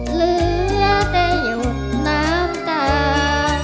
เหลือแต่หยดน้ำตา